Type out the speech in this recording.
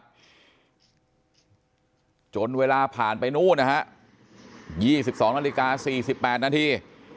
จนเวลาผ่านไปนู่นนะฮะ๒๒นาฬิกา๔๘นาที